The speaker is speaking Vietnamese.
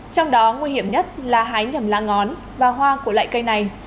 trong đó nguy hiểm nhất là hái nhầm lá ngón và hoa của loại cây này